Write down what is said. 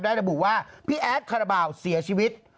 ระบุว่าพี่แอดคาราบาลเสียชีวิต